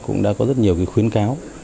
cũng đã có rất nhiều khuyến cáo